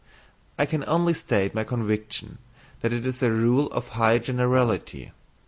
I can only state my conviction that it is a rule of high generality.